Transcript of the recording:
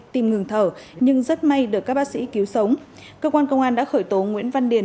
tìm ngừng thở nhưng rất may được các bác sĩ cứu sống cơ quan công an đã khởi tố nguyễn văn điền